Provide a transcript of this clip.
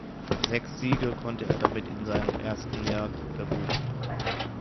Sechs Siege konnte er damit in seinem ersten Jahr verbuchen.